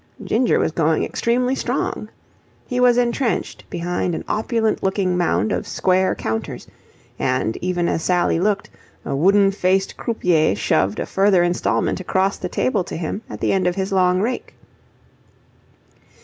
Ginger was going extremely strong. He was entrenched behind an opulent looking mound of square counters: and, even as Sally looked, a wooden faced croupier shoved a further instalment across the table to him at the end of his long rake.